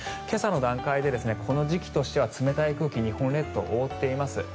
今朝の段階でこの時期としては冷たい空気が日本列島を覆っています。